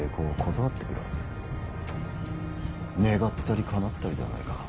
願ったりかなったりではないか。